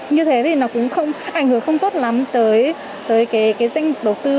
như thế thì nó cũng ảnh hưởng không tốt lắm tới danh đầu tư